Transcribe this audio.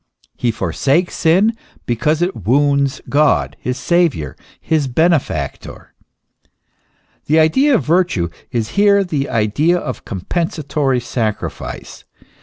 He forsakes sin, because it wounds God, his Saviour, his Benefactor, t The idea of virtue is here the idea of compensatory sacrifice.